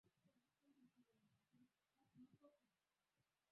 Watoto wawe na heshima kwa wazazi wao.